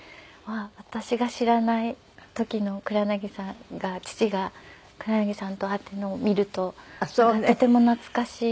私が知らない時の黒柳さんが父が黒柳さんと会っているのを見るととても懐かしいです。